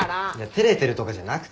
照れてるとかじゃなくて。